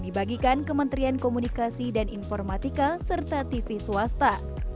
dibagikan kementerian komunikasi dan informatika serta tv swasta